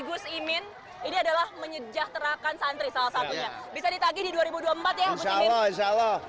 gus imin ini adalah menyejahterakan santri salah satunya bisa ditagi di dua ribu dua puluh empat ya insyaallah insyaallah